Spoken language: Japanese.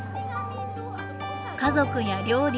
家族や料理